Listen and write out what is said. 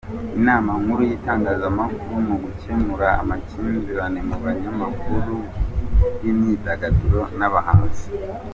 Inama Nkuru y’Itangazamakuru mu gukemura amakimbirane mu banyamakuru b’imyidagaduro n’abahanzi